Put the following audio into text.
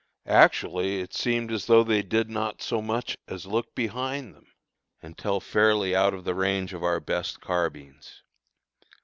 Actually it seemed as though they did not so much as look behind them until fairly out of the range of our best carbines.